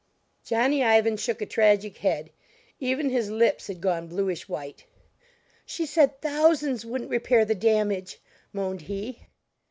Johnny Ivan shook a tragic head; even his lips had gone bluish white. "She said thousands wouldn't repair the damage," moaned he.